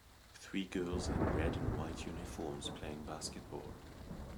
Three girls in red and white uniforms playing basketball.